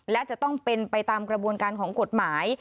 และจะต้องเป็นไปตามกระบวนการของกฎหมาย